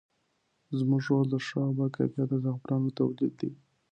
زموږ رول د ښه او باکیفیته زعفرانو تولید دی.